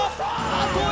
あと